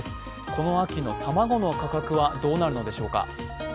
この秋の卵の価格はどうなるのでしょうか。